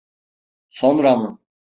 Sonra mı?